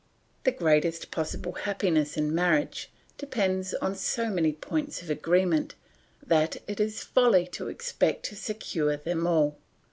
"The greatest possible happiness in marriage depends on so many points of agreement that it is folly to expect to secure them all.